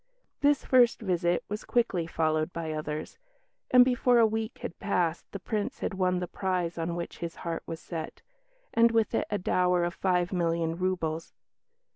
This first visit was quickly followed by others; and before a week had passed the Prince had won the prize on which his heart was set, and with it a dower of five million roubles.